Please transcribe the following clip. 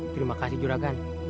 terima kasih juragan